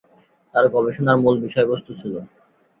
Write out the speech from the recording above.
তার গবেষণার মুল বিষয়বস্তু ছিল।